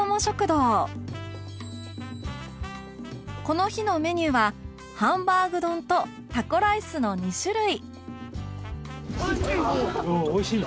この日のメニューはハンバーグ丼とタコライスの２種類